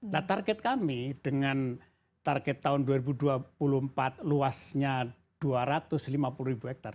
nah target kami dengan target tahun dua ribu dua puluh empat luasnya dua ratus lima puluh ribu hektare